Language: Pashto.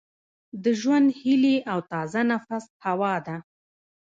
د ژوند هیلي او تازه نفس هوا وه